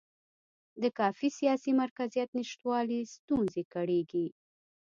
د کافي سیاسي مرکزیت نشتوالي ستونزې کړېږي.